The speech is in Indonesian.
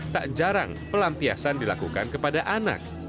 tak jarang pelampiasan dilakukan kepada anak